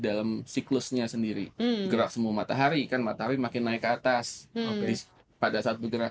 dalam siklusnya sendiri gerak semua matahari kan matahari makin naik ke atas pada saat bergerak